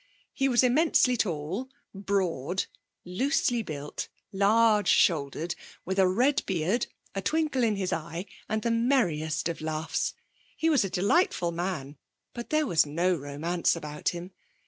He was immensely tall, broad, loosely built, large shouldered, with a red beard, a twinkle in his eye, and the merriest of laughs. He was a delightful man, but there was no romance about him.